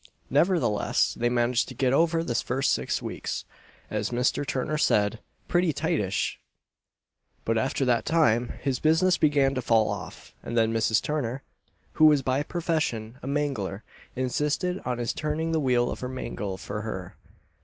Nevertheless, they managed to get over the first six weeks, as Mr. Turner said, "pretty tightish." But after that time, his business began to fall off; and then Mrs. Turner, who was by profession a mangler, insisted on his turning the wheel of her mangle for her.